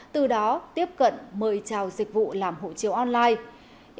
từ đó tiếp cận mời trào dịch vụ làm hộ chiếu online